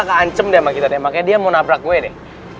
keancem deh sama kita deh makanya dia mau nabrak gue deh